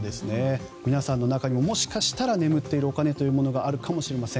皆さんの中にももしかしたら眠っているお金というものがあるかもしれません。